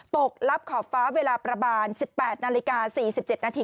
ลับขอบฟ้าเวลาประมาณ๑๘นาฬิกา๔๗นาที